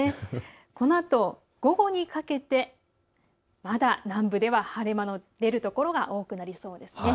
このあと午後にかけてまだ南部では晴れ間の出る所が多くなりそうです。